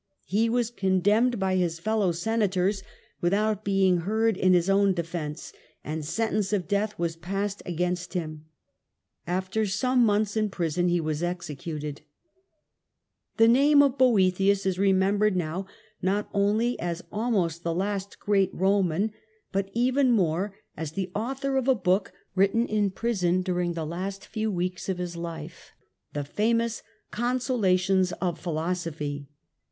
He was condemned by his fellow senators without being heard in his own defence, and sentence of death was passed against him. After some months in prison he was executed. The Con The name of Boethius is remembered now, not only S phiioTolhAj as almost the last great Roman, but even more as the author of a book written in prison during the last few weeks of his life, the famous Consolations of Philosophy